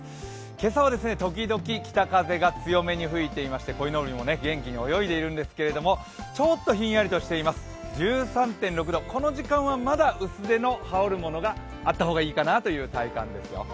今朝は時々、北風が強めに吹いておりましてこいのぼりも元気に泳いでいるんですけれどもちょっとひんやりとしています、１３．６度、この時間はまだ薄手の羽織るものがあった方がいいかなという体感ですよ。